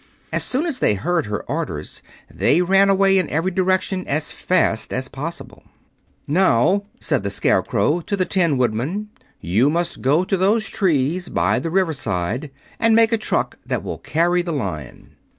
As soon as they heard her orders they ran away in every direction as fast as possible. "Now," said the Scarecrow to the Tin Woodman, "you must go to those trees by the riverside and make a truck that will carry the Lion."